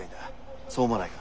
そう思わないか？